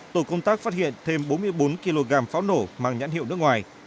tổ công tác phát hiện thêm bốn mươi bốn kg pháo nổ mang nhãn hiệu nước ngoài